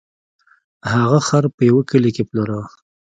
هغه خر په یوه کلي کې پلوره.